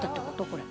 これ。